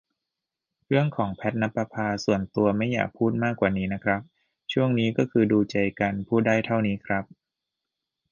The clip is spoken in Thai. เรื่องของ แพทณปภา ส่วนตัวไม่อยากพูดมากกว่านี้ครับ ช่วงนี้ก็คือดูใจกัน พูดได้เท่านี้ครับ